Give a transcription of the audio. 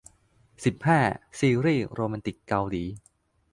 สิบห้า ซีรีส์โรแมนติกเกาหลี